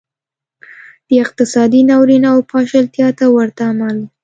دا اقتصادي ناورین او پاشلتیا ته ورته عمل و